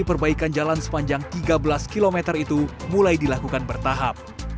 perbaikan jalan sepanjang tiga belas km itu mulai dilakukan bertahap